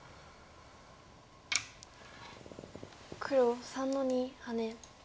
黒３の二ハネ。